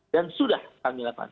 dan sudah kami lakukan